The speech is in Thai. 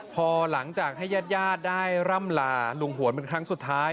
พอหลังจากให้ญาติญาติได้ร่ำลาลุงหวนเป็นครั้งสุดท้าย